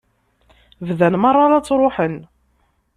Bdan merra la ttruḥen.